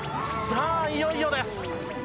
さあ、いよいよです。